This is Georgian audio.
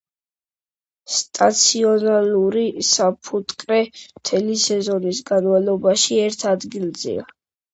სტაციონარული საფუტკრე მთელი სეზონის განმავლობაში ერთ ადგილზეა.